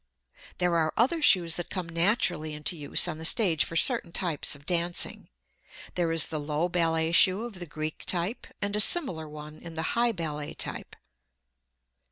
There are other shoes that come naturally into use on the stage for certain types of dancing. There is the low ballet shoe of the Greek type, and a similar one in the high ballet type.